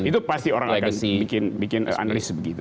itu pasti orang akan bikin analis begitu